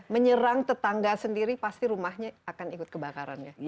menyerang tetangga sendiri pasti rumahnya akan ikut kebakarannya